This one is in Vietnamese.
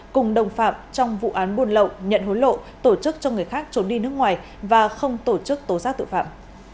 cùng đồng phạm trong vụ án buồn lậu nhận hối lộ tổ chức cho người khác trốn đi nước ngoài và không tổ chức tố giác tội phạm